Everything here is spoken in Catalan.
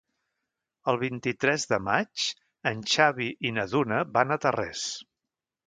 El vint-i-tres de maig en Xavi i na Duna van a Tarrés.